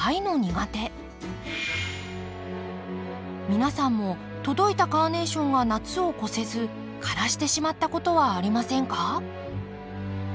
皆さんも届いたカーネーションが夏を越せず枯らしてしまったことはありませんか？